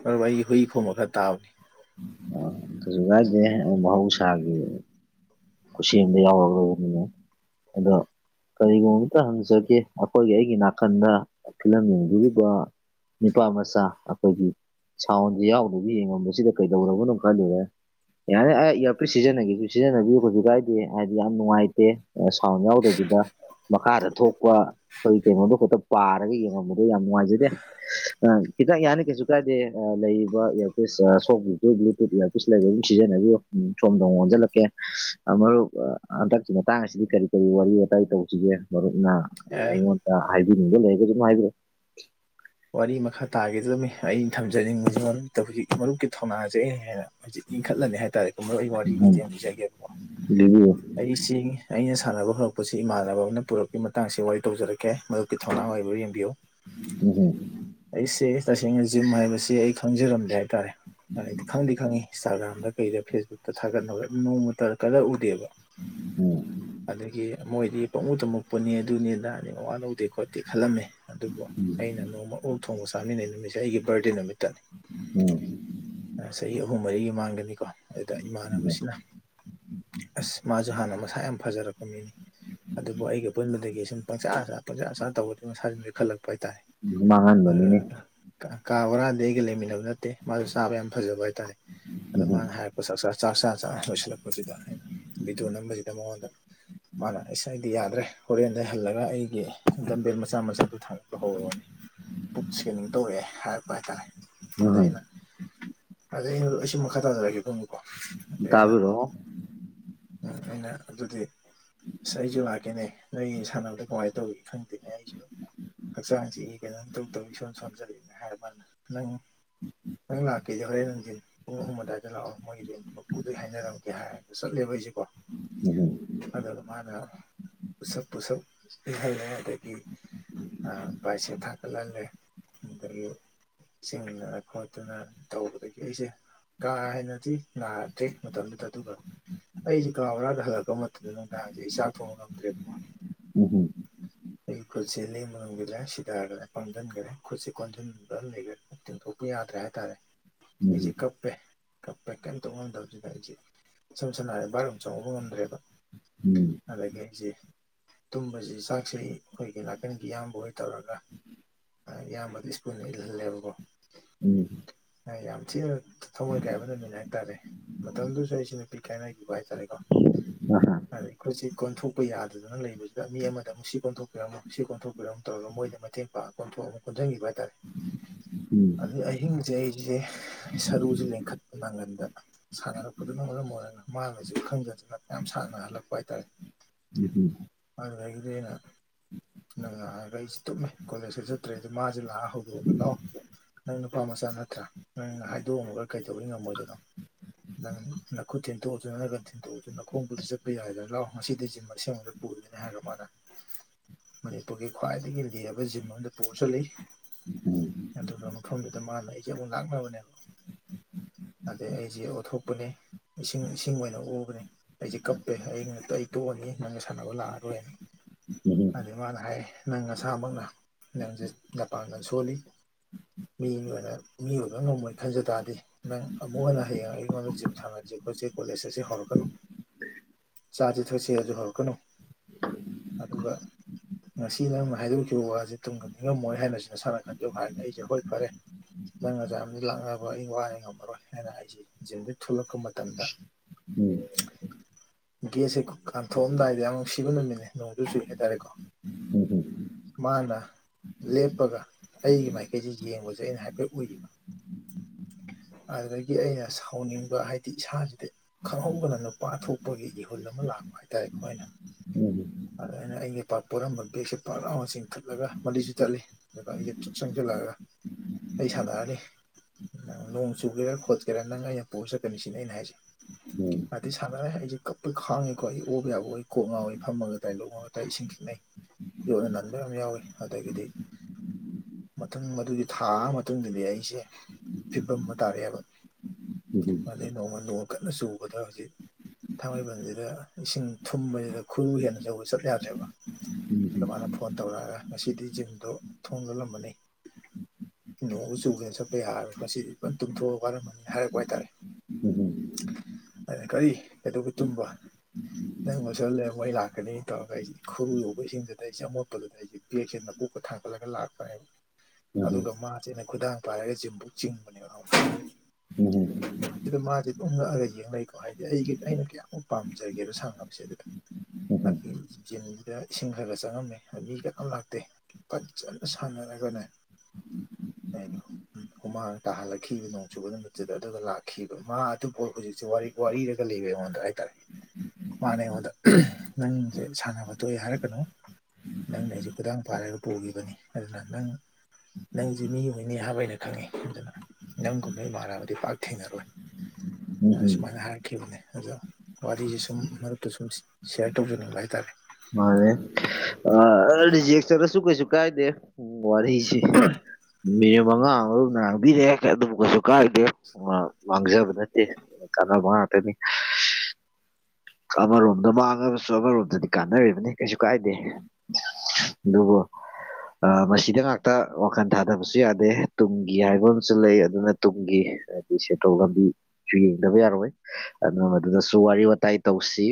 ꯄꯔꯋꯥꯏ ꯍꯏ ꯈꯣꯃꯒꯔ ꯇꯥꯕꯅꯤ ꯑꯁꯨꯒꯥꯗ ꯃꯍꯧ ꯁꯥꯒꯤ ꯈꯨꯁꯤ ꯑꯃꯗ ꯌꯥꯎꯔꯔꯕꯅꯤꯉ ꯑꯗꯣ ꯀꯔꯤꯒꯨꯝꯕ ꯑꯝꯇ ꯍꯪꯖꯒꯦ ꯑꯩꯈꯣꯏꯒꯤ ꯑꯩꯒꯤ ꯅꯥꯀꯟꯗ ꯐꯤꯂꯝ ꯌꯦꯡꯕꯤꯔꯤꯕ ꯅꯤꯄꯥ ꯃꯆꯥ ꯑꯩꯈꯣꯏꯒꯤ ꯁꯥꯎꯟꯁꯦ ꯌꯥꯎꯗꯕ ꯌꯦꯡꯉꯝꯕꯁꯤꯗ ꯀꯩꯗꯧꯔꯕꯅꯣ ꯈꯂꯨꯔꯦ ꯌꯥꯅꯤ ꯑꯩ ꯏꯌꯥꯔꯄ꯭ꯠ ꯁꯤꯖꯤꯟꯅꯒꯦꯁꯨ ꯁꯤꯖꯤꯟꯅꯕꯤꯌꯨ ꯀꯩꯁꯨ ꯀꯥꯏꯗꯦ ꯍꯥꯏꯗꯤ ꯌꯥꯝ ꯅꯨꯡꯉꯥꯏꯇꯦ ꯁꯥꯎꯟ ꯌꯥꯎꯗꯕꯤꯗ ꯃꯈꯥꯗ ꯊꯣꯛꯄ ꯑꯩꯈꯣꯏ ꯀꯩꯅꯣꯗꯣ ꯈꯛꯇ ꯄꯥꯔꯒ ꯌꯦꯡꯉꯝꯕꯗꯣ ꯌꯥꯝ ꯅꯨꯡꯉꯥꯏꯖꯗꯦ ꯑ ꯈꯤꯇ ꯌꯥꯅꯤ ꯀꯩꯁꯨ ꯀꯥꯏꯗꯦ ꯂꯩꯔꯤꯕ ꯏꯌꯥꯔꯄꯁ ꯨ ꯕ꯭ꯂꯨꯇꯨꯠ ꯏꯌꯥꯔꯄꯤꯁ ꯂꯩꯕ ꯑꯗꯨꯝ ꯁꯤꯖꯤꯟꯅꯕꯤꯌꯨ ꯁꯣꯝꯗꯣꯡ ꯑꯣꯟꯁꯤꯜꯂꯛꯀꯦ ꯑ ꯃꯔꯨꯞ ꯍꯟꯗꯛꯁꯤ ꯃꯇꯥꯡ ꯑꯁꯤꯗꯤ ꯀꯔꯤ ꯀꯔꯤ ꯋꯥꯔꯤ ꯋꯥꯇꯥꯏ ꯇꯧꯁꯤꯒꯦ ꯃꯔꯨꯞꯅ ꯑꯦ ꯑꯩꯉꯣꯟꯗ ꯍꯥꯏꯕꯤꯅꯤꯡꯒꯦ ꯂꯩ ꯑꯩꯒ ꯑꯗꯨꯝ ꯍꯥꯏꯕꯤ꯭ꯔꯣ ꯋꯥꯔꯤ ꯃꯈꯥ ꯇꯥꯈꯤꯗꯕꯅꯤ ꯑꯩꯅ ꯊꯝꯖꯅꯤꯡꯕꯁꯨ ꯃꯔꯨꯞ ꯍꯧꯖꯤꯛ ꯃꯔꯨꯞꯀꯤ ꯊꯧꯅꯥꯖꯩ ꯍꯥꯏꯅ ꯍꯧꯖꯤꯛ ꯏꯟꯈꯠꯂꯅꯤ ꯍꯥꯏ ꯇꯔꯦ ꯀꯨꯝ ꯃꯔꯣꯏ ꯑꯩ ꯋꯥꯔꯤ ꯎꯝ ꯃꯇꯦꯡ ꯂꯤꯖꯒꯦꯕꯀꯣ ꯂꯤꯕꯤꯌꯨ ꯑꯩ ꯆꯦ ꯑꯩꯅ ꯁꯥꯟꯅꯕ ꯍꯧꯔꯛꯄꯁꯤ ꯏꯃꯥꯟꯅꯕ ꯑꯃꯅ ꯄꯨꯔꯛꯀꯤ ꯃꯇꯥꯡꯁꯤ ꯋꯥꯔꯤ ꯇꯧꯖꯔꯛꯀꯦ ꯃꯔꯨꯞ ꯊꯧꯅꯥ ꯑꯣꯏꯕ ꯌꯦꯡꯕꯤꯌꯨ [unintelligible] ꯑꯩꯁꯦ ꯇꯁꯦꯡꯅ ꯖꯤꯝ ꯍꯥꯏꯕꯁꯤ ꯑꯩ ꯈꯪꯖꯔꯝꯗꯦ ꯍꯥꯏꯇꯥꯔꯦ ꯉꯗꯤ ꯈꯪꯗꯤ ꯈꯪꯉꯤ ꯏꯟꯁꯇꯥꯒ꯭ꯔꯥꯝꯗ ꯀꯩꯗ ꯐꯦꯁꯕꯨꯛꯇ ꯊꯥꯒꯠꯅꯕ ꯅꯣꯡꯃ ꯀꯂꯛ ꯎꯗꯦꯕ ꯑꯣ ꯑꯗꯒꯤ ꯃꯣꯏꯗꯤ ꯄꯥꯃꯨ ꯇꯝꯃꯛꯨꯄꯅꯤ ꯑꯗꯨꯅꯤꯅ ꯑꯗꯤ ꯋꯥ ꯂꯧꯗꯦ ꯈꯣꯠꯇꯦ ꯈꯜꯂꯝꯃꯦ ꯑꯗꯨꯕꯨ ꯑꯩꯅ ꯅꯣꯡꯃ ꯎꯛ ꯊꯣꯡꯕ ꯆꯥꯃꯤꯟꯅꯩ ꯅꯨꯃꯤꯠꯁꯦ ꯑꯩꯒꯤ ꯕꯥꯔꯗꯦ ꯅꯨꯃꯤꯠꯇ ꯑꯣ ꯆꯍꯤ ꯑꯍꯨꯝ ꯃꯔꯤꯒꯤ ꯃꯥꯡꯒꯅꯤꯀꯣ ꯑꯗꯨꯗ ꯏꯃꯥꯟꯅꯕꯁꯤꯅ ꯑꯁ ꯃꯥꯁꯨ ꯍꯥꯟꯅ ꯃꯁꯥ ꯌꯥꯝ ꯐꯖꯔꯛꯄ ꯃꯤꯅꯤ ꯑꯗꯨꯕꯨ ꯑꯩ ꯑ ꯄꯨꯟꯕꯗꯒꯤ ꯁꯨꯝ ꯄꯪꯁꯥ ꯑꯁꯆꯥ ꯄꯪꯁꯥ ꯑꯆꯥꯥ ꯇꯧꯕꯗꯤ ꯃꯁꯥꯁꯤꯡꯅ ꯄꯤꯈꯠꯂꯛꯄ ꯍꯥꯏꯇꯥꯔꯦ ꯃꯥꯡꯍꯟ ꯀꯥ ꯕꯣꯔꯥꯗꯤ ꯑꯩꯒ ꯂꯩꯃꯤꯟꯅꯕ ꯅꯠꯇꯦ ꯃꯥꯁꯨ ꯆꯥꯕ ꯌꯥꯝ ꯐꯖꯕ ꯍꯥꯏꯇꯥꯔꯦ ꯑꯗꯣ ꯎꯝ ꯃꯥꯅ ꯍꯥꯏ ꯆꯥꯛ ꯆ ꯆ ꯂꯣꯏꯁꯤꯜꯂꯛꯄꯁꯤꯗ ꯕꯤꯗꯨ ꯅꯝꯕꯁꯤꯗ ꯃꯉꯣꯟꯗ ꯃꯥꯅ ꯑꯩ ꯑꯩꯗꯤ ꯌꯥꯗ꯭ꯔꯦ ꯍꯣꯔꯦꯟꯗ ꯍꯜꯂꯒ ꯑꯩꯒꯤ ꯒꯝꯕꯤꯔ ꯃꯆꯥ ꯃꯆꯥꯗꯨ ꯊꯥꯡꯄ ꯍꯧꯔꯔꯕꯅꯤ ꯄꯨꯠ ꯁ꯭ꯀꯦꯂꯤꯡ ꯇꯧꯔꯛꯑꯦ ꯍꯥꯏꯔꯛꯄ ꯍꯥꯏꯇꯥꯔꯦ ꯑꯗ ꯎꯝ ꯑꯩꯅ ꯑꯗꯩꯩꯅ ꯑꯩꯁꯨ ꯃꯈꯥ ꯇꯥꯖꯔꯛꯒꯦ ꯑꯗꯨꯝꯀꯣ ꯇꯥꯕꯤꯔꯣ ꯑꯩꯅ ꯑꯗꯨꯗꯤ ꯑꯁ ꯑꯩꯁꯨ ꯂꯥꯛꯀꯦꯅꯦ ꯅꯣꯏ ꯁꯥꯟꯅꯕꯗ ꯀꯃꯥꯏꯅ ꯇꯧꯋ ꯈꯪꯗꯦꯅꯦ ꯑꯩꯁꯨ ꯍꯛꯆꯥꯡꯁꯤ ꯏ ꯀꯩꯅꯣꯝ ꯇꯧ ꯇꯧꯏ ꯏꯁꯣꯝ ꯁꯣꯟꯝꯖꯜꯂꯛꯏꯅ ꯍꯥꯏꯔ ꯃꯥꯜꯂ ꯅꯪ ꯅꯪ ꯉꯅꯥꯀꯤꯦꯗꯈ ꯄꯨꯡ ꯑꯍꯨꯝ ꯑꯗꯨꯋꯥꯏꯗ ꯂꯥꯛꯑꯣ ꯃꯣꯏ ꯔꯦꯟ ꯃꯄꯨꯗꯩ ꯍꯥꯏꯅꯔꯝꯒꯦ ꯍꯥꯏꯔꯒ ꯆꯠꯂꯦꯕ ꯑꯩꯁꯦꯀꯣ ꯎꯝ ꯎꯝ ꯐꯗꯔ ꯃꯥꯅ ꯁꯕꯨ ꯁꯗꯗꯒꯤ ꯄꯥꯏꯁꯦ ꯊꯂꯂꯦ ꯑꯗꯨ ꯤꯡꯗꯅ ꯈꯣꯠꯇꯅ ꯇꯧꯕꯗꯒꯤ ꯑꯩꯁꯦ ꯀꯥ ꯍꯦꯟꯅꯗꯤ ꯅꯥꯔꯗꯦ ꯃꯇꯝꯗꯨꯗ ꯑꯗꯨꯒ ꯑꯩꯁꯦ ꯀꯥ ꯕꯔꯥꯗ ꯍꯜꯂꯛꯄ ꯃꯇꯝꯗ ꯅꯨꯡꯗꯥꯡꯁꯦ ꯏꯁꯥ ꯊꯣꯡꯕ ꯉꯝꯗ꯭ꯔꯦꯕꯣ ꯑꯣ ꯍꯣ ꯑꯩꯒꯤ ꯈꯨꯠꯁꯦ ꯂꯦꯡꯕ ꯉꯝꯕꯤꯔꯦ ꯁꯤꯗꯥꯈꯔꯦ ꯄꯥꯡꯝꯁꯤꯟꯈ꯭ꯔꯦ ꯈꯨꯠꯁꯦ ꯀꯣꯟꯁꯤꯟꯕ ꯂꯩꯈꯔꯦ ꯇꯤꯡꯊꯣꯛ ꯀꯄ ꯌꯥꯗ꯭ꯔꯦ ꯍꯥꯏꯇꯥꯔꯦ ꯑꯩꯁꯦ ꯎꯝ ꯀꯞꯄꯦ ꯀꯞꯄꯦ ꯀꯩꯝ ꯇꯧꯕ ꯉꯝꯗꯕꯗꯨꯗ ꯑꯩꯁꯦ ꯁꯝ ꯁꯝꯅ ꯍꯥꯏꯔ ꯚꯔ ꯑꯃ ꯆꯪꯉꯧꯕ ꯉꯝꯗ꯭ꯔꯦꯕ ꯎꯝ ꯑꯗꯒꯤ ꯑꯩꯁꯤꯦ ꯇꯨꯝꯕꯁꯤ ꯆꯥꯛ ꯄꯁ ꯑꯩꯈꯣꯏꯒꯤ ꯅꯥꯀꯟꯒꯤ ꯏꯌꯥꯝꯕ ꯑꯣꯏꯅ ꯇꯧꯔꯒ ꯏꯌꯥꯝꯕꯗ ꯁ꯭ꯀꯨꯜꯅ ꯏꯜꯍꯜꯂꯦꯕꯀꯣ ꯎꯝ ꯌꯥꯝ ꯊꯤꯅ ꯊꯋꯥꯏ ꯀꯥꯏꯕ ꯅꯨꯃꯤꯠ ꯍꯥꯏꯇꯥꯔꯦ ꯃꯇꯝꯗꯨꯁꯨ ꯑꯩꯁꯦ ꯅꯨꯄꯤ ꯀꯥꯏꯅꯈꯤꯕ ꯍꯥꯏꯇꯥꯔꯦꯀꯣ ꯑ ꯍ ꯑꯗꯩ ꯑꯩꯈꯣꯏꯁꯤ ꯀꯣꯟꯊꯣꯛꯄ ꯌꯥꯗꯗꯅ ꯂꯩꯕꯁꯤꯗ ꯃꯤ ꯑꯃꯗ ꯑꯃꯨꯛ ꯁꯤ ꯀꯣꯟꯊꯣꯛꯄꯤꯔꯝꯃꯣ ꯁꯤ ꯀꯣꯟꯊꯣꯛꯄꯤ ꯀꯣꯏꯔꯣꯝ ꯇꯧꯔ ꯃꯣꯏꯗ ꯃꯇꯦꯡ ꯄꯥꯡ ꯀꯣꯟꯊꯣꯛꯑ ꯑꯃ ꯀꯣꯟꯁꯤꯟꯈꯤꯕ ꯍꯥꯏꯇꯥꯔꯦ ꯑꯗꯨꯩ ꯑꯍꯤꯡꯁꯦ ꯑꯩꯁꯦ ꯁꯔꯨꯁꯦ ꯂꯦꯡꯈꯠ ꯃꯅꯥꯒꯟꯗ ꯁꯥꯟꯅꯔꯛꯄꯗꯨꯅ ꯃꯔꯝ ꯑꯣꯏꯔꯒ ꯃꯥꯅꯁꯨ ꯈꯪꯖꯗꯅ ꯃꯌꯥꯝ ꯁꯥꯟꯅꯍꯜꯂꯛꯄ ꯍꯥꯏꯇꯥꯔꯦ ꯎꯝ ꯎꯝ ꯑꯗꯨꯗꯦꯅ ꯅꯪꯅ ꯍꯥꯏꯔꯒ ꯑꯩꯁꯦ ꯇꯨꯝꯃꯦ ꯀꯣꯂꯦꯖꯇ ꯆꯠꯇ꯭ꯔꯦꯗ ꯃꯥꯁꯦ ꯂꯥꯛꯑꯒ ꯍꯧꯗꯣꯛꯑꯒ ꯂꯥꯛꯑꯣ ꯅꯪ ꯅꯨꯄꯥ ꯃꯆꯥ ꯅꯠꯇ꯭ꯔꯥ ꯅꯪꯅ ꯍꯥꯏꯗꯣꯛꯑꯝꯃꯒ ꯀꯩꯗꯧꯔꯤ ꯉꯝꯃꯣꯏꯗꯅꯣ ꯅꯪ ꯅꯈꯠ ꯊꯤꯟꯇꯣꯛꯑꯁꯨ ꯅꯠꯇꯔꯒ ꯊꯤꯟꯣꯛꯑꯁꯨ ꯅꯈꯣꯡꯕꯨꯗꯤ ꯆꯠꯄ ꯌꯥꯏꯗꯅ ꯂꯥꯛ ꯉꯁꯤꯗꯤꯝ ꯑꯁꯦꯡꯕ ꯄꯗꯅ ꯍꯥꯏꯒ ꯃꯥꯅ ꯃꯅꯤꯄꯨꯔꯒꯤ ꯈ꯭ꯋꯥꯏꯗꯒꯤ ꯂꯤꯔꯕ ꯖꯤꯝ ꯑꯗ ꯄꯨꯔꯁꯨ ꯂꯩ ꯑꯗꯨꯒ ꯃꯐꯝꯗꯨꯗ ꯃꯥꯅ ꯑꯩꯁꯦ ꯑꯃꯨꯛ ꯂꯥꯛꯅꯕꯅꯦꯕ ꯑꯗꯩ ꯑꯩꯁꯦ ꯑꯣꯠꯊꯣꯛꯄꯅꯦ ꯏꯁꯤꯡ ꯏꯁꯤꯡ ꯑꯣꯏꯅ ꯎꯕꯅꯦ ꯑꯩꯁꯦ ꯀꯞꯄꯦ ꯑꯩ ꯉ ꯑꯩ ꯇꯣꯛꯑꯅꯤ ꯅꯪꯅ ꯁꯥꯟꯅꯕ ꯂꯥꯛꯑꯔꯣꯏꯅ ꯑꯗꯨꯩ ꯃꯥꯅ ꯍꯥꯏ ꯅꯪ ꯅꯁꯥꯃꯛꯅ ꯅꯪꯁꯦ ꯅꯄꯥꯟꯗꯜ ꯁꯣꯜꯂꯤ ꯃꯤ ꯑꯣꯏꯅ ꯃꯤ ꯑꯣꯏꯕ ꯅꯣꯡꯃꯩ ꯈꯟꯖ ꯇꯥꯔꯗꯦ ꯅꯪ ꯑꯃꯨꯛ ꯍꯟꯅ ꯍꯌꯦꯡ ꯑꯩꯉꯣꯟꯗ ꯖꯤꯝ ꯊꯥꯅꯖꯦ ꯑꯩꯣꯏꯁꯦ ꯀꯣꯂꯦꯖ ꯆꯁꯦ ꯍꯧꯔꯛꯀꯅꯨ ꯆꯥꯁꯤꯦ ꯊꯁꯦ ꯑꯗꯨ ꯍꯧꯔꯛꯀꯅꯨ ꯑꯗꯨꯒ ꯉꯁꯤ ꯅꯪꯅ ꯍꯥꯏꯗꯣꯛꯈꯤꯕ ꯋꯥꯁꯦ ꯇꯨꯡꯒ ꯅꯤꯡꯉꯝꯃꯣꯏ ꯍꯥꯏꯅꯁꯤꯅ ꯅ ꯁꯥꯟꯅ ꯈꯟꯖꯧ ꯍꯥꯏꯔꯒ ꯑꯩꯁꯦ ꯍꯣꯏ ꯐꯔꯦ ꯅꯪ ꯉꯖꯥ ꯑ ꯂꯥꯛꯅꯕ ꯑꯩ ꯋꯥꯅ ꯉꯝꯃꯔꯣꯏ ꯍꯥꯏꯅ ꯑꯩꯁꯦꯖꯤꯟꯗꯨ ꯊꯂꯛꯄ ꯃꯇꯝꯗ ꯎꯝ ꯒꯦꯁꯦ ꯀꯥꯟꯊꯣꯛꯑꯝꯗꯥꯏꯗ ꯌꯥꯝ ꯁꯤꯕ ꯅꯨꯃꯤꯠꯅꯦ ꯅꯣꯡꯗꯨ ꯁꯨꯏ ꯍꯥꯏꯇꯥꯔꯦꯀꯣ ꯃꯥꯅ ꯂꯦꯞꯄꯒ ꯑꯩꯒꯤ ꯃꯥꯏꯀꯩꯁꯤ ꯌꯦꯡꯕꯁꯦ ꯑꯩꯅ ꯍꯥꯏ ꯍꯣꯏ ꯎꯈꯤꯕ ꯑꯗꯨꯗꯒꯤ ꯑꯩꯅ ꯁꯥꯎꯅꯤꯡꯕ ꯍꯥꯏꯗꯤ ꯏꯁꯥꯁꯤꯗꯤ ꯈꯪꯍꯧꯗꯅ ꯅꯨꯄꯥ ꯊꯣꯛꯄꯒꯤ ꯏꯍꯨꯜ ꯑꯃ ꯂꯥꯛꯄ ꯍꯥꯏꯇꯥꯔꯦ ꯑꯩꯈꯣꯏꯅ ꯑꯗꯨ ꯑꯩꯅ ꯑꯩꯩꯅ ꯄꯥꯛ ꯄꯣꯔꯔꯝꯕ ꯕꯦꯒꯁꯦ ꯄꯥꯛ ꯂꯥꯎꯅ ꯆꯤꯡꯈꯠꯂꯒ ꯃꯔꯤꯁꯨ ꯆꯠꯂꯤ ꯗꯥ ꯆꯪꯖꯂꯥꯛꯑꯒ ꯑꯩ ꯁꯥꯟꯅꯛꯑꯅꯤ ꯅꯪ ꯅꯣꯡ ꯆꯨꯒꯦꯔꯥ ꯈꯣꯠꯀꯦꯔꯥ ꯅꯪ ꯑꯩꯅ ꯄꯨꯔ ꯆꯛꯀꯅꯤ ꯁꯤꯅꯤ ꯑꯩꯅ ꯍꯥꯏꯁꯩ ꯎꯝ ꯑꯗꯩ ꯁꯥꯟꯅꯔꯦ ꯑꯩꯁꯦ ꯀꯞꯈꯣꯏ ꯈꯥꯡꯉꯦꯀꯣ ꯑꯩ ꯑꯣꯕ ꯌꯥꯕ ꯑꯣꯏ ꯀꯣꯛ ꯉꯥꯎꯏ ꯐꯝꯃꯒ ꯗꯥꯏꯂꯣꯒ ꯏꯁꯤꯡ ꯈꯤꯛꯅꯩ ꯌꯣꯠꯅ ꯅꯟꯕ ꯌꯥꯝ ꯌꯥꯎꯏ ꯑꯗꯒꯤꯗꯤ ꯃꯊꯪ ꯃꯗꯨꯒꯤ ꯊꯥ ꯑꯃꯥ ꯃꯇꯨꯡꯗꯗꯤ ꯑꯩꯁꯦ ꯐꯤꯕꯝ ꯑꯃꯥ ꯇꯥꯔꯛꯑꯦꯕ ꯑꯗꯩ ꯅꯣꯡꯃ ꯅꯣꯡ ꯀꯟꯅ ꯆꯨꯕꯗ ꯍꯧꯖꯤꯛ ꯊꯥꯡꯃꯩꯕꯟꯁꯤꯗ ꯏꯁꯤꯡ ꯊꯨꯝꯕꯁꯤꯗ ꯈꯨꯔꯨ ꯍꯦꯟ ꯌꯧꯕ ꯆꯠ ꯌꯥꯗ꯭ꯔꯦꯕ ꯑꯗꯨꯃꯥꯏꯅ ꯐꯣꯟ ꯇꯧꯔꯛꯑꯒ ꯉꯁꯤꯗꯤ ꯖꯤꯝꯗꯣ ꯊꯣꯡ ꯂꯣꯜꯂꯝꯃꯅꯤ ꯅꯣꯡꯖꯨ ꯆꯨꯕꯅꯦ ꯆꯠꯄ ꯌꯥꯔꯔꯣꯏ ꯉꯁꯤꯗꯤ ꯐꯟ ꯇꯨꯝꯊꯣꯛꯑ ꯋꯥꯔꯝꯃꯅꯤ ꯍꯥꯏꯔꯛꯄ ꯍꯥꯏꯇꯥꯔꯦ ꯑꯩꯅ ꯀꯔꯤ ꯀꯩꯗꯧꯕꯩ ꯇꯨꯝꯕ ꯅꯪ ꯂꯣꯏꯁꯜ ꯂꯩꯔꯝꯃꯣ ꯑꯩ ꯂꯥꯛꯀꯅꯤ ꯇꯧꯔꯒ ꯑꯩꯁꯦ ꯈꯨꯔꯨ ꯌꯧꯕ ꯏꯁꯤꯡꯗꯨꯗ ꯑꯩꯁꯦ ꯑꯃꯣꯠꯄꯗꯨꯗ ꯑꯩꯁꯨ ꯕꯦꯛꯁꯦ [unintelligible] ꯊꯥꯡꯒꯠꯂꯒ ꯂꯥꯛꯄꯅꯦꯕ ꯑꯗꯨꯒ ꯃꯥꯁꯦ ꯑꯩꯅ ꯈꯨꯗꯥꯡ ꯄꯥꯏꯔꯒ ꯖꯤꯝꯐꯧ ꯆꯤꯡꯕꯅꯦꯕ [unintelligible] ꯃꯥꯖꯦ ꯗꯨꯝ ꯉꯛꯑꯒ ꯌꯦꯡ ꯂꯩꯀꯣ ꯍꯥꯏꯗꯤ ꯑꯩꯒꯤ ꯑꯩꯅ ꯀꯌꯥꯃꯨꯛ ꯄꯥꯝꯖꯒꯦꯗꯣ ꯁꯥꯟꯅꯕꯁꯦ ꯑꯗꯨꯗ [unintelligible] ꯖꯤꯟꯗꯨꯗ ꯏꯁꯤꯡ ꯈꯔ ꯈꯔ ꯆꯪꯉꯝꯃꯦ ꯑꯗꯩ ꯀꯅꯥꯝ ꯂꯥꯛꯇꯦ ꯐꯖꯅ ꯁꯥꯟꯅꯔꯒꯅꯦ [unintelligible] ꯍꯨꯃꯥꯡ ꯇꯥꯍꯜꯂꯛꯈꯤꯕ ꯅꯣꯡ ꯆꯨꯕ ꯅꯨꯃꯤꯠꯇꯨꯗ ꯑꯗꯨꯒ ꯂꯥꯛꯈꯤꯕ ꯃꯥ ꯑꯗꯨꯒꯣꯔ ꯍꯧꯖꯤꯛꯁꯦ ꯋꯥꯔꯤ ꯋꯥꯔꯤꯔꯒ ꯂꯩꯔꯦ ꯑꯩꯉꯣꯟꯗ ꯍꯥꯏꯇꯥꯔꯦ ꯃꯥꯅꯦ ꯑꯩꯉꯣꯟꯗ ꯅꯪꯁꯦ ꯁꯥꯟꯅꯕ ꯇꯣꯛꯑꯦ ꯍꯥꯏꯔꯛꯀꯅꯨ ꯅꯪꯅ ꯑꯩꯁꯦ ꯈꯨꯗꯥꯥꯡ ꯄꯥꯏꯔꯒ ꯄꯨꯒꯤꯕꯅꯤ ꯑꯗꯨꯅ ꯅꯪ ꯅꯪꯁꯤ ꯃꯤ ꯑꯣꯏꯅꯤ ꯍꯥꯏꯕ ꯑꯩꯅ ꯈꯪꯉꯤ ꯑꯗꯨꯅ ꯅꯪꯒꯨꯝꯕ ꯏꯃꯥꯟꯅꯕꯗꯤ ꯄꯥꯛ ꯊꯦꯡꯅꯔꯣꯏ ꯑ ꯁꯨꯃꯥꯏꯅ ꯍꯥꯏ ꯈꯤꯕꯅꯦ ꯑꯗꯣ ꯋꯥꯔꯤꯁꯦ ꯁꯨꯝ ꯃꯔꯨꯞꯛꯇ ꯁꯨꯝ ꯁꯤꯌꯥꯔ ꯇꯧꯖꯅꯤꯡꯕ ꯍꯥꯏꯇꯥꯔꯦ ꯃꯥꯅꯦ ꯑꯥ ꯔꯤꯖꯦꯛ ꯆꯠꯂꯁꯨ ꯀꯩꯁꯨ ꯀꯥꯏꯗꯦ ꯎꯝ ꯋꯥꯔꯤꯁꯤ ꯃꯤꯅꯤꯠ ꯃꯉꯥ [unintelligible] ꯅꯥ ꯄꯤꯔꯛꯑꯦ ꯑꯗꯨꯝ ꯀꯩꯁꯨ ꯀꯥꯏꯗꯦ ꯑꯥ ꯃꯥꯡꯖꯕ ꯅꯠꯇꯦ ꯀꯥꯟꯅꯕ ꯉꯥꯛꯇꯅꯤ ꯑꯃꯔꯣꯝꯗ ꯃꯥꯡꯉꯕꯁꯨ ꯑꯃꯔꯣꯝꯗꯗꯤ ꯀꯥꯟꯅꯔꯤꯕꯅꯤ ꯀꯩꯁꯨ ꯀꯥꯏꯗꯦ ꯗꯨꯕꯨ ꯑꯥ ꯃꯁꯤꯗ ꯉꯥꯛꯇ ꯋꯥꯈꯜ ꯊꯥꯗꯕꯁꯨ ꯌꯥꯗꯦ ꯇꯨꯡꯒꯤ ꯍꯥꯏꯕ ꯑꯃꯁꯨ ꯂꯩ ꯑꯗꯨꯅ ꯇꯨꯡꯒꯤ ꯍꯥꯏꯗꯤ ꯁꯦꯟꯊꯣꯛ ꯂꯝꯕꯤꯁꯨ ꯌꯦꯡꯗꯕ ꯌꯥꯔꯣꯏ ꯑꯗꯨꯅ ꯃꯗꯨꯗꯁꯨ ꯋꯥꯔꯤ ꯋꯥꯇꯥꯏ ꯇꯧꯁꯤ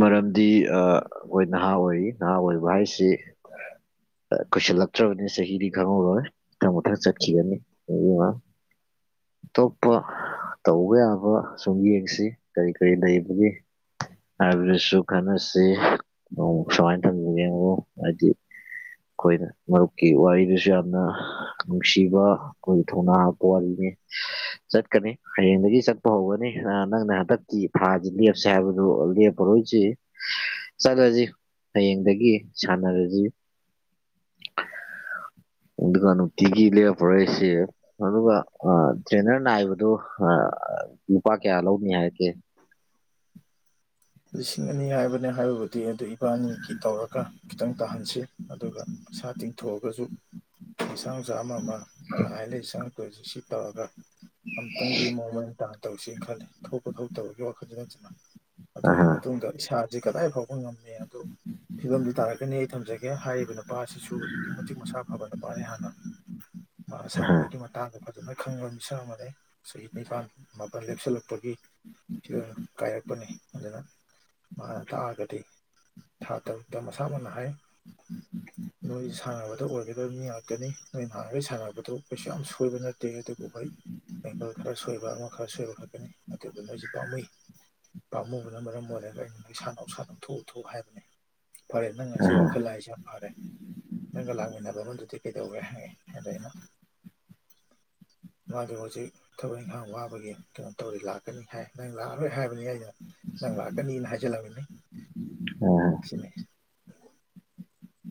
ꯃꯔꯝꯗꯤ ꯑꯥ ꯍꯣꯏ ꯅꯍꯥ ꯑꯣꯏꯔꯤ ꯅꯍꯥ ꯑꯣꯏꯕ ꯍꯥꯏꯁꯤ ꯀꯨꯏꯁꯜꯂꯛꯇ꯭ꯔꯕꯅꯤ ꯆꯍꯤꯗꯤ ꯈꯪꯍꯧꯔꯣꯏ ꯃꯊꯪ ꯃꯊꯪ ꯆꯠꯈꯤꯒꯅꯤ [unintelligible] ꯑꯇꯣꯞꯄ ꯇꯧꯕ ꯌꯥꯕ ꯁꯨꯝ ꯌꯦꯡꯁꯤ ꯀꯔꯤ ꯀꯔꯤ ꯂꯩꯕꯒꯦ ꯍꯥꯏꯕꯥ ꯗꯨꯁꯨ ꯈꯟꯅꯁꯤ ꯅꯣꯡ ꯁꯨꯃꯥꯏ [unintelligible] ꯍꯥꯏꯗꯤ ꯑꯩꯈꯣꯏꯅ ꯃꯔꯨꯞꯀꯤ ꯋꯥꯔꯤꯗꯨꯁꯨ ꯌꯥꯝꯅ ꯅꯨꯡꯁꯤꯕ ꯑꯩꯈꯣꯏꯒꯤ ꯊꯧꯅꯥ ꯍꯥꯞꯄ ꯋꯥꯔꯤꯅꯤ ꯆꯠꯀꯅꯤ ꯍꯌꯦꯡꯗꯒꯤ ꯆꯠꯄ ꯍꯧꯒꯅꯤ ꯑꯥ ꯅꯪꯅ ꯍꯟꯗꯛ ꯀꯤ ꯊꯥꯁꯤ ꯂꯦꯞꯁꯤ ꯍꯥꯏꯕꯗꯨ ꯂꯦꯞꯄꯔꯣꯏꯁꯤ ꯆꯠꯂꯁꯤ ꯍꯌꯦꯡꯗꯒꯤ ꯁꯥꯟꯅꯔꯁꯤ ꯑꯗꯨꯅ ꯅꯨꯡꯇꯤꯒꯤ ꯂꯦꯞꯄꯔꯣꯏꯁꯤ ꯑꯗꯨꯒ ꯑꯥ ꯇ꯭ꯔꯦꯅꯔ ꯅꯥꯏꯕꯗꯨ ꯑꯥ ꯂꯨꯄꯥ ꯀꯌꯥ ꯂꯧꯅꯤ ꯍꯥꯏꯒꯦ ꯂꯤꯁꯤꯡ ꯑꯅꯤ ꯍꯥꯏꯕꯅꯦ ꯍꯥꯏꯕꯕꯨꯗꯤ ꯑꯗꯨ ꯏꯕꯥꯅꯤꯒꯤ ꯇꯧꯔꯒ ꯈꯤꯇꯪ ꯇꯥꯍꯟꯁꯤ ꯑꯗꯨꯒ ꯄꯩꯁꯥ ꯇꯤꯡꯊꯣꯛꯑꯒꯁꯨ ꯄꯩꯁꯥ ꯅꯨꯡꯁꯥ ꯑꯃꯃꯥ ꯉꯥꯏ ꯂꯩ ꯆꯪꯉꯛꯇꯣꯏꯁꯤ ꯇꯧꯔꯒ ꯑꯃꯨꯛꯇꯪꯗꯤ ꯃꯑꯣꯡ ꯃꯔꯤꯟ ꯇꯥꯅ ꯇꯧꯁꯤꯅ ꯈꯜꯂꯤ ꯊꯣꯛꯄ ꯊꯣꯛꯇꯕꯒꯤ ꯋꯥꯈꯜꯁꯤꯅꯥ ꯅꯠꯇꯅ ꯑ ꯑꯗꯨꯒꯤ ꯃꯇꯨꯡꯗ ꯏꯁꯥꯁꯦ ꯀꯗꯥꯏ ꯐꯥꯎꯕ ꯉꯝꯃꯦ ꯍꯥꯏꯕꯗꯨ ꯐꯤꯕꯝꯗꯨ ꯇꯥꯔꯛꯀꯅꯤ ꯑꯩ ꯊꯝꯖꯒꯦ ꯍꯥꯏꯔꯤꯕ ꯅꯨꯄꯥ ꯑꯁꯤꯁꯨ ꯑꯗꯨꯛꯀꯤ ꯃꯇꯤꯛ ꯃꯁꯥ ꯐꯕ ꯅꯨꯄꯥꯅꯤ ꯍꯥꯟꯅ ꯃꯥꯅ ꯁꯥꯟꯅꯕꯒꯤ ꯃꯇꯥꯡꯗ ꯐꯖꯅ ꯈꯪꯕ ꯃꯤꯁꯛ ꯑꯃꯅꯤꯅꯦ ꯆꯍꯤ ꯅꯤꯄꯥꯟ ꯃꯥꯄꯜ ꯂꯦꯞꯁꯤꯜꯂꯛꯄꯒꯤ ꯐꯤꯕꯝ ꯀꯥꯏꯔꯛꯄꯅꯤ ꯑꯗꯨꯅ ꯃꯥꯅ ꯇꯥꯛꯑꯒꯗꯤ ꯊꯥ ꯇꯔꯨꯛꯇ ꯃꯁꯥꯃꯛꯅ ꯍꯥꯏ ꯎꯝ ꯅꯣꯏꯁꯤ ꯁꯥꯟꯅꯕꯗ ꯑꯣꯏꯒꯗꯕ ꯃꯤ ꯉꯥꯛꯇꯅꯤ ꯅꯣꯏ ꯍꯥꯟꯅꯈꯩ ꯁꯥꯟꯅꯕꯗꯣ ꯀꯩꯁꯨ ꯌꯥꯝ ꯁꯣꯏꯕ ꯅꯠꯇꯦ ꯑꯗꯨꯕꯨ ꯍꯣꯏ ꯡꯒꯜ ꯈꯔ ꯁꯣꯏꯕ ꯑꯃ ꯈꯔ ꯁꯣꯏꯕ ꯈꯛꯀꯅꯤ ꯑꯗꯨꯗꯨ ꯅꯣꯏꯁꯤ ꯄꯥꯝꯃꯨꯏ ꯄꯥꯝꯃꯨꯕꯅ ꯃꯔꯝ ꯑꯣꯏꯔꯒ ꯑꯩꯅ ꯃꯩꯁꯥ ꯅꯧꯁꯥꯅ ꯂꯧꯊꯣꯛꯎꯊ ꯍꯥꯏꯕꯅꯤ ꯐꯔꯦ ꯅꯪ ꯑ ꯉꯁꯤ ꯋꯥꯈꯜ ꯂꯏꯁꯤ ꯌꯥꯝ ꯐꯔꯦ ꯅꯪꯒ ꯂꯥꯛꯃꯤꯟꯅꯕ ꯑꯃꯗꯨꯗꯤ ꯀꯩꯗꯧꯔꯦ ꯍꯥꯏꯦ ꯑꯗ ꯑꯩꯅꯣ [inaudible] ꯃꯥꯗ ꯍꯧꯖꯤꯛ ꯊꯕꯛ ꯏꯪꯈꯥꯡ ꯋꯥꯕꯒꯤ ꯀꯩꯅꯣ ꯇꯧꯔꯤ ꯂꯥꯛꯀꯅꯤ ꯍꯥꯏ ꯅꯪ ꯂꯥꯛꯑꯔꯣꯏ ꯍꯥꯏꯕꯅꯤ ꯑꯩꯅ ꯥꯡ ꯂꯥꯛꯀꯅꯤꯅ ꯍꯥꯏꯖꯜꯂꯃꯤꯅꯦ ꯑꯣ ꯍ ꯁꯤ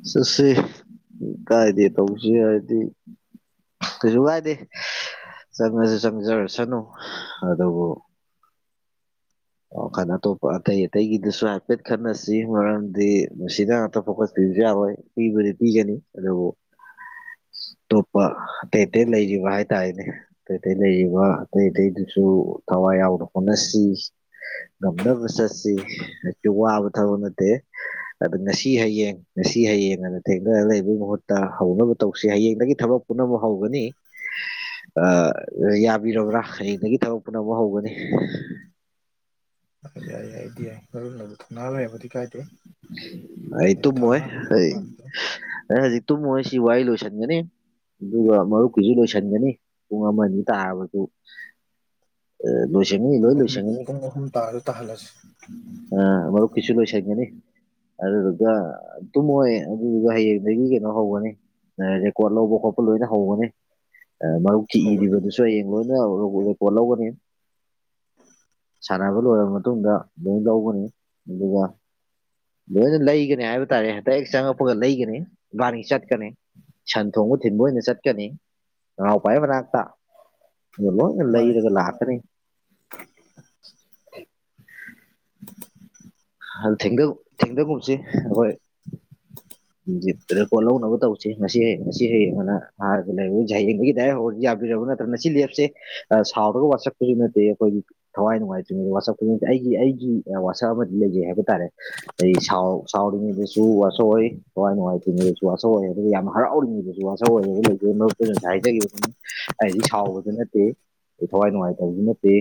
ꯁꯁꯤꯦ ꯀꯥꯏꯗ ꯇꯧꯁꯤ ꯍꯥꯏꯗꯤ ꯀꯩꯁꯨ ꯀꯥꯏꯗꯦ ꯆꯪꯉꯁꯨ ꯆꯪꯖꯔꯁꯅꯨ ꯑꯗꯨꯕꯨ ꯈꯜ ꯑꯇꯣꯞꯄ ꯑꯇꯩ ꯑꯇꯩꯒꯤꯗꯨꯁꯨ ꯍꯥꯏꯐꯦꯠ ꯈꯠꯟꯅꯁꯤ ꯃꯔꯝꯗꯤ ꯃꯁꯤꯗ ꯑꯇꯣꯞꯄ ꯈꯣꯠꯄꯤꯕꯁꯨ ꯌꯥꯔꯣꯏ ꯄꯤꯕꯗꯤ ꯄꯤꯒꯅꯤ ꯑꯗꯨꯕꯨ ꯇꯣꯞꯄꯇꯩꯇꯩ ꯂꯩꯖꯕ ꯍꯥꯏ ꯇꯥꯏꯅꯦ ꯑꯇꯩ ꯑꯇꯩ ꯂꯩꯔꯤꯕ ꯑꯇꯩ ꯑꯇꯩꯗꯨꯁꯨ ꯊꯋꯥꯏ ꯌꯥꯎꯅ ꯍꯣꯠꯅꯁꯤ ꯉꯝꯅꯕ ꯆꯠꯁꯤ ꯑꯩꯁꯨ ꯋꯥꯕ ꯊꯕꯛ ꯅꯠꯇꯦ ꯑꯗ ꯉꯁꯤ ꯍꯌꯦꯡ ꯉꯁꯤ ꯍꯌꯦꯡ ꯑꯅ ꯊꯦꯡꯅꯔꯒ ꯂꯩꯕꯒꯤ ꯃꯍꯨꯠꯇ ꯍꯧꯅꯕ ꯇꯧꯁꯤ ꯍꯌꯦꯡꯗꯒꯤ ꯊꯕꯛ ꯄꯨꯝꯅꯃꯛ ꯍꯧꯒꯅꯤ ꯌꯥꯕꯤꯔꯕ꯭ꯔꯥ ꯍꯌꯦꯡꯗꯒꯤ ꯊꯕꯛꯄꯅ ꯑꯃ ꯍꯧꯒꯅꯤ ꯌꯥꯏ ꯌꯥꯏꯗꯤ ꯌꯥꯏ ꯃꯔꯨ ꯑꯗꯨ ꯊꯧꯅꯥ ꯂꯩꯔꯕꯗꯤ ꯀꯥꯏꯗꯦ ꯑꯩ ꯇ ꯊꯧꯅꯥ ꯃꯣꯏ ꯍꯟꯕ ꯅꯨꯄꯥ ꯑꯝꯇ ꯑꯦꯖꯤ ꯇꯨꯃꯁꯤ ꯋꯥꯏ ꯂꯣꯁꯟꯒꯅꯤ ꯑꯗꯨꯒ ꯃꯔꯨꯞꯀꯤꯁꯨ ꯂꯣꯏꯁꯤꯟꯒꯅꯤ ꯄꯨꯡ ꯑꯃ ꯑꯅꯤ ꯇꯥꯔꯕꯁꯨ ꯑ ꯣꯁꯅꯤ ꯄꯨꯡ ꯏꯂꯣ ꯑꯍꯨꯝ ꯁꯉꯅꯤ ꯄꯨꯡ ꯑꯍꯨꯝ ꯇꯥꯔꯁꯨ ꯇꯥꯍꯜꯂꯁꯤ ꯑ ꯑꯃꯔꯕꯨ ꯀꯁꯨ ꯂꯣꯏ ꯆꯦꯅꯤ ꯑꯗꯨꯗꯨꯒ ꯇꯨꯝꯃꯣꯏ ꯑꯗꯨꯗꯨꯒ ꯍꯌꯦꯡꯗꯒꯤ ꯀꯩꯅꯣ ꯍꯧꯒꯅꯤ ꯔꯦꯀꯣꯔꯠ ꯂꯧꯕ ꯈꯣꯠꯄ ꯂꯣꯏꯅ ꯍꯧꯒꯅꯤ ꯃꯔꯨꯞꯀꯤ ꯍꯧꯕꯅꯤ ꯏꯔꯤꯕꯗꯨꯁꯨ ꯍꯌꯦꯡ ꯂꯣꯏꯅ ꯔꯦꯀꯣꯔꯠ ꯂꯧꯒꯅꯤ ꯎꯝ ꯁꯥꯟꯅꯕ ꯂꯣꯏꯔꯕ ꯃꯇꯨꯡꯗ ꯂꯣꯏ ꯂꯧꯒꯅꯤ ꯑꯗꯨꯒ ꯂꯣꯏꯅ ꯂꯩꯒꯅꯤ ꯍꯥꯏꯕ ꯇꯥꯔꯦ ꯍꯦꯛꯇ ꯍꯦꯛ ꯆꯪꯉꯛꯄꯒ ꯂꯩꯒꯅꯤ ꯒꯥꯔꯤ ꯆꯠꯀꯅꯤ ꯁꯟ ꯊꯣꯡꯕ ꯊꯤꯟꯕ ꯑꯣꯏꯅ ꯆꯠꯀꯅꯤ ꯅꯍꯄꯥꯏ ꯃꯅꯥꯛꯇ ꯌꯦꯂꯣ ꯃꯥꯅꯦ ꯂꯩꯔꯒ ꯂꯥꯛꯇꯔꯦ ꯑ ꯊꯦꯡꯒ ꯊꯦꯡꯊꯒꯨꯝꯁꯤ ꯑꯩꯏ ꯔꯦꯀꯣꯔꯠ ꯂꯧꯅꯕ ꯇꯧꯁꯤ ꯉꯁꯤ ꯍꯌꯦ ꯉꯁꯤ ꯍꯌꯦꯡꯅ ꯍꯥꯟꯔꯒ ꯂꯩꯌꯦꯡꯗꯒꯤ ꯗꯥꯏꯔꯦꯛ ꯍꯧꯔ ꯌꯥꯗꯔꯕꯕ ꯅꯠꯇ ꯃꯁꯤ ꯂꯦꯞꯁꯦ ꯁꯥꯎꯔꯒ ꯋꯥꯠꯁꯛꯄꯁꯨ ꯅꯠꯇꯦ ꯑꯩꯈꯣꯏꯒꯤ ꯊꯋꯥꯏ ꯅꯨꯡꯉꯥꯏꯇꯉ ꯋꯥꯁꯛ ꯈꯨꯗꯤꯡꯛꯇ ꯑꯩꯒꯤ ꯑꯩꯒꯤ ꯋꯥꯁꯛ ꯑꯃꯗꯤ ꯂꯩꯖꯩ ꯍꯥꯏꯕ ꯇꯥꯔꯦ ꯑꯩ ꯁ ꯁꯥꯎ ꯁꯨ ꯋꯥꯁꯣꯏ ꯍꯋꯥꯏ ꯅꯨꯡꯉꯥꯏ ꯊꯤꯡꯉꯤꯗꯁꯨ ꯑꯁꯆ ꯑꯔ ꯑꯗꯨꯒ ꯌꯥꯝ ꯍꯔꯥꯎꯔꯤꯉꯩꯗꯁꯨ ꯑꯁꯧ ꯑꯣꯏꯔꯒ ꯂꯩꯖꯩ ꯃꯔꯨꯞꯛꯇꯁꯨ ꯉꯁꯥꯏ ꯍꯥꯏꯖꯈꯤꯕꯗꯨꯅ ꯍꯥꯏꯗꯤ ꯁꯥꯎꯕꯗꯨ ꯅꯠꯇꯦ ꯑꯩ ꯊꯋꯥꯏ ꯅꯨꯡꯉꯥꯏꯇꯕꯁꯨ ꯅꯠꯇꯦ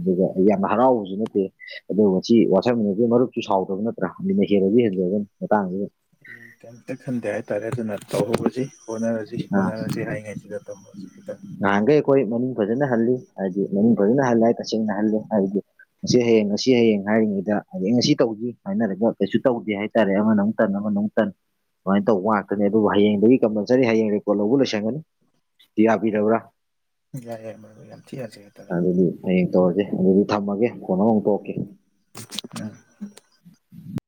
ꯑꯗꯨꯒ ꯑꯩ ꯌꯥꯝꯅ ꯍꯔꯥꯎꯕꯁꯨ ꯅꯠꯇꯦ ꯑꯗꯣ ꯉ ꯃꯁꯤ ꯋꯥꯊꯔꯃꯤꯟꯅꯗꯨꯒꯤ ꯃꯔꯨꯞꯁꯨ ꯁꯥꯎꯗꯕ ꯅꯠꯇ꯭ꯔ ꯑꯅ ꯍꯦꯜꯂꯁꯨ ꯍꯦꯟꯖꯂꯒꯅꯤ ꯃꯇꯥꯡꯗꯨꯗ ꯀꯩꯝꯇ ꯈꯟꯗꯦ ꯍꯥꯏꯇꯥꯔꯦ ꯑꯗꯨꯅ ꯇꯧꯍꯁꯤ ꯍꯣꯠꯅꯔꯁꯤ ꯑꯣ ꯖꯤ ꯍꯥꯏ ꯉꯥꯏꯁꯤꯗꯠꯇ ꯍꯣꯗ ꯅꯍꯥꯟꯈꯩ ꯑꯩꯈꯣꯏ ꯃꯃꯤ ꯐꯖꯅ ꯍꯜꯂꯤ ꯍꯥꯏꯕꯗꯤ ꯃꯃꯤ ꯐꯖꯅ ꯍꯜꯂꯦ ꯇꯁꯦꯡꯅ ꯍꯜꯂꯦ ꯍꯥꯏꯕꯗꯤ ꯉꯁꯤ ꯍꯌꯦꯡ ꯉꯁꯤ ꯍꯌꯦꯡ ꯍꯥꯏꯔꯤꯉꯩꯗ ꯍꯥꯏꯗꯤ ꯑꯩ ꯉꯁꯤ ꯇꯧꯁꯤ ꯍꯥꯏꯅꯔꯒ ꯀꯩꯁꯨ ꯇꯧꯗꯦ ꯍꯥꯏ ꯁꯔꯦ ꯑꯃꯅ ꯑꯃꯨꯛ ꯇꯟ ꯑꯃꯅ ꯑꯃꯨꯛ ꯇꯟ ꯁꯨꯃꯥꯏꯅ ꯇꯧꯕ ꯉꯥꯛꯇꯅꯦ ꯑꯗꯨꯕꯨ ꯍꯌꯦꯡꯗꯒꯤ ꯀꯝꯄꯜꯁꯔꯤ ꯍꯌꯦꯡ ꯔꯦꯀꯣꯔꯠ ꯂꯧꯕ ꯂꯣꯏꯁꯟꯒꯅꯤ ꯀꯤꯔꯕꯔꯥ ꯌꯥꯔ ꯌꯥꯔ ꯌꯥꯝ ꯊꯤꯔꯖꯒꯦ ꯏꯇꯥꯎ ꯑꯗꯨꯗꯤ ꯍꯌꯦꯡ ꯇꯧꯔꯁꯦ ꯑꯗꯨꯗꯤ ꯊꯝꯃꯒꯦ ꯐꯣꯟ ꯑꯃ ꯑꯃꯨꯛ ꯇꯪꯔꯛꯀꯦ ꯑ [unintelligible]